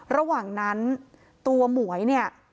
ระหว่างนั้นตัวหมวยเนี่ย